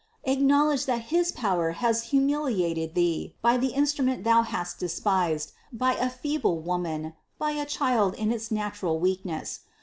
Acknowledge that his power has humiliated thee by the instrument thou hadst de spised, by a feeble Woman, by a Child in its natural weak ness.